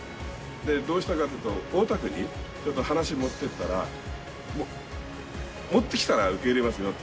どうしたかっていうと、大田区にちょっと話持ってったら、持ってきたら受け入れますよと。